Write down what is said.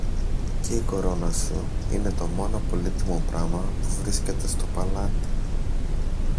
και η κορώνα σου είναι το μόνο πολύτιμο πράμα που βρίσκεται στο παλάτι.